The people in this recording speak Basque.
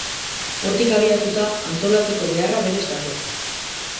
Hortik abiatuta, antolatzeko beharra berez dator.